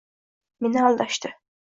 Meni aldashdi!